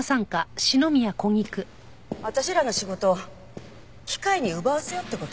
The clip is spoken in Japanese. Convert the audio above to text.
私らの仕事を機械に奪わせようって事？